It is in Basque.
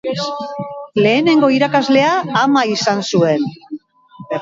Lehenengo irakaslea ama izan zuen.